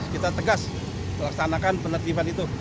kita tegas melaksanakan penertiban itu